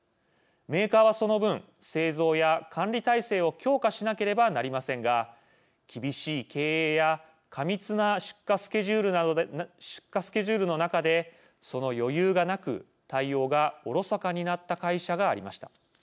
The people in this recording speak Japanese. メーカーはその分製造や管理体制を強化しなければなりませんが厳しい経営や過密な出荷スケジュールの中でその余裕がなく対応がおろそかになった会社がありました。